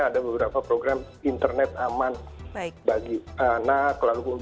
ada beberapa program internet aman bagi anak